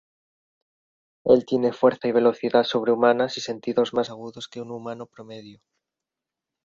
Él tiene fuerza y velocidad sobrehumanas y sentidos más agudos que un humano promedio.